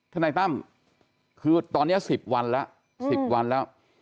ทนายตั้มคือตอนนี้๑๐วันแล้ว๑๐วันแล้ว